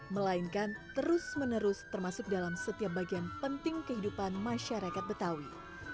melainkan terus menerus termasuk dalam setiap bagian penting kehidupan masyarakat betawi